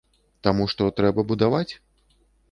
Таму што трэба будаваць?